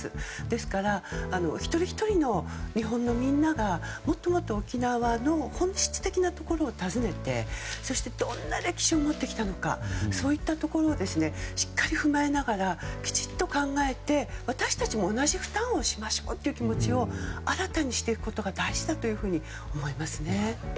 ですから、一人ひとりの日本のみんながもっと沖縄の本質的なところを訪ねてそして、どんな歴史を持ってきたのかそういったところをしっかり踏まえながらきちっと考え私たちも同じ負担をしましょうという気持ちを新たにしていくことが大事だと思いますね。